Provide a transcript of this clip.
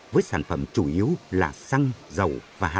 với sản phẩm chủ yếu là xăng dầu